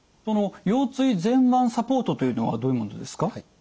その腰椎前わんサポートというのはどういうものですか？